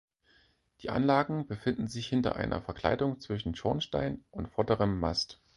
Die Anlagen befinden sich hinter einer Verkleidung zwischen Schornstein und vorderem Mast.